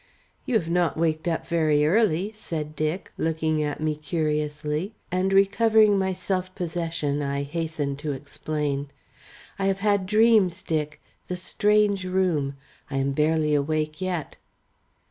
"You have not waked up very early," said Dick, looking at me curiously, and recovering my self possession I hasten to explain. "I have had dreams, Dick. The strange room! I am barely awake yet."